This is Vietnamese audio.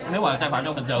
nếu sai phạm trong hình sự